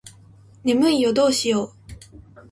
眠いよどうしよう